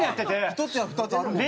１つや２つあるもんね？